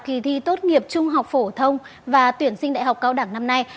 kỳ thi tốt nghiệp trung học phổ thông và tuyển sinh đại học cao đẳng năm nay